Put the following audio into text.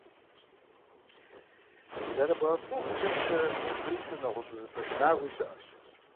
Зэрыбауэ пкъыгъуэхэмкӀэ зэбгрыкӀыу нэгъуэщӀ узыфэ шынагъуи щыӀэщ.